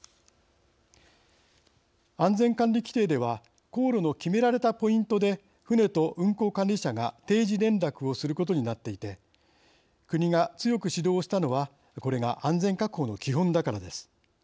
安全管理規程では航路の決められたポイントで船と運航管理者が定時連絡をすることになっていて国が強く指導をしたのはこれが安全確保の基本だからです。